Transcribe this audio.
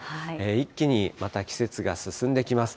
一気にまた季節が進んできます。